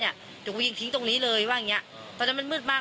เดี๋ยวก็ยิงทิ้งตรงนี้เลยว่าอย่างเงี้ยตอนนั้นมันมืดมาก